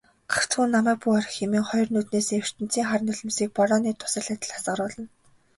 "Гагцхүү намайг бүү орхи" хэмээн хоёр нүднээсээ ертөнцийн хар нулимсыг борооны дусал адил асгаруулна.